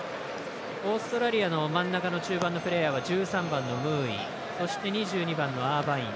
オーストラリアの真ん中の中盤のプレーヤーは１３番のムーイそして、アーバイン。